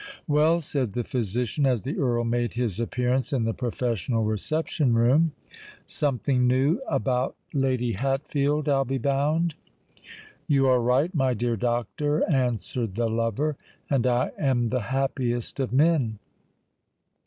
"Well," said the physician, as the Earl made his appearance in the professional reception room, "something new about Lady Hatfield, I'll be bound?" "You are right, my dear doctor," answered the lover: "and I am the happiest of men."